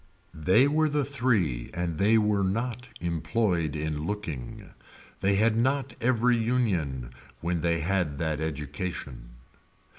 They were the three and they were not employed in looking. They had not every union when they had that education.